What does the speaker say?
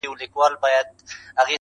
د بابا دا باور چي استعمار